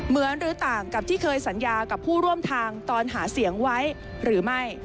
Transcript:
หรือต่างกับที่เคยสัญญากับผู้ร่วมทางตอนหาเสียงไว้หรือไม่